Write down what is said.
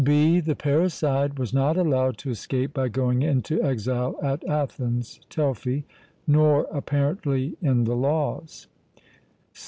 (b) The Parricide was not allowed to escape by going into exile at Athens (Telfy), nor, apparently, in the Laws.